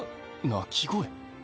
鳴き声？